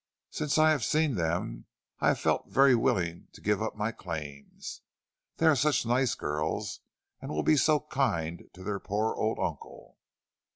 Since I have seen them I have felt very willing to give up my claims, they are such nice girls, and will be so kind to their poor old uncle."